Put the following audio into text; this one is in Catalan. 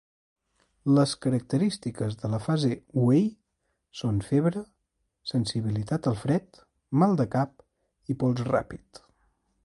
Les característiques de la fase "wei" són febre, sensibilitat al fred, mal de cap i pols ràpid.